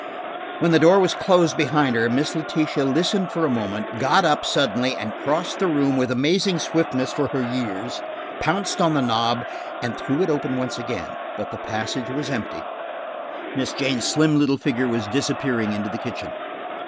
When the door had closed behind her, Miss Letitia listened for a moment, got up suddenly and crossing the room with amazing swiftness for her years, pounced on the knob and threw it open again. But the passage was empty; Miss Jane's slim little figure was disappearing into the kitchen.